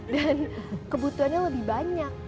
dan kebutuhannya lebih banyak